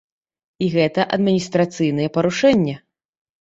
І гэта адміністрацыйнае парушэнне.